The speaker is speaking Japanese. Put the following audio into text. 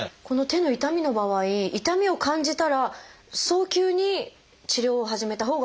この手の痛みの場合痛みを感じたら早急に治療を始めたほうがいいんですか？